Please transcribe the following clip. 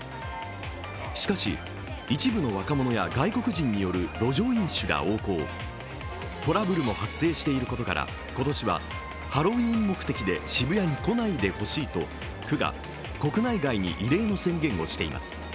しかし、一部の若者や外国人による路上飲酒が横行、トラブルも発生していることから今年はハロウィーン目的で渋谷に来ないでほしいと区が国内外に異例の宣言をしています。